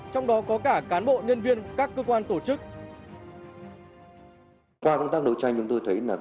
trong đó có cả cán bộ nhân viên các cơ quan tổ chức